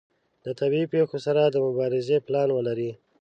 د طبیعي پیښو سره د مبارزې پلان ولري.